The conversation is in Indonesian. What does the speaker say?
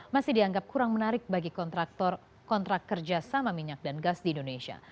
masih dianggap kurang menarik bagi kontraktor kontrak kerjasama minyak dan gas di indonesia